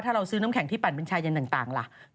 ถ้าเราซื้อน้ำแข็งที่ปั่นเป็นชายเย็นต่างล่ะ